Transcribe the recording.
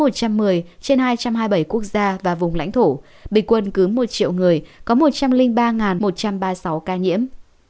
trên hai trăm hai mươi bảy quốc gia và vùng lãnh thổ bình quân cứ một triệu người có một trăm linh ba một trăm ba mươi sáu ca nhiễm